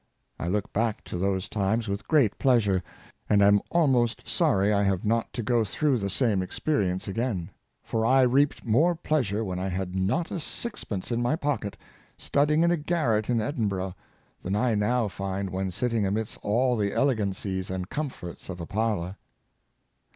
I look back to those times with great pleasure, and am almost sorry I have not to go through the same experience again; for I reaped more pleasure when I had not a sixpence in my pocket, studying in a garret in Edinburgh, than I now find when sitting amidst all the elegancies and comforts of a parlor."